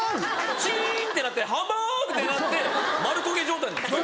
チンってなってハンバーグ！ってなって丸焦げ状態なんですか？